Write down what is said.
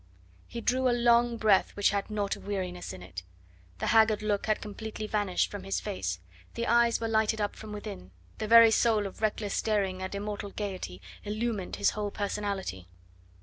He drew a long breath which had naught of weariness in it. The haggard look had completely vanished from his face, the eyes were lighted up from within, the very soul of reckless daring and immortal gaiety illumined his whole personality.